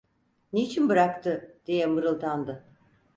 "Niçin bıraktı?" diye mırıldandı.